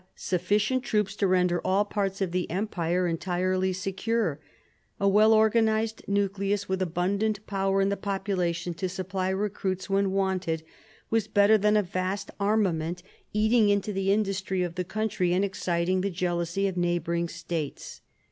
ufficient troops to render all parts of the Empire entirely secure ; a well organised nucleus, with abundant power in the popula tion to supply recruits when wanted, was better than a vast armament eating into the industry of the country and exciting the jealousy of neighbouring states.